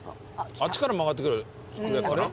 あっちから曲がってくるやつかな。